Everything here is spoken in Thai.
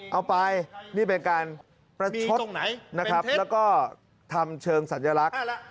เอาไปนี่เป็นการประชดนะครับแล้วก็ทำเชิงสัญลักษณ์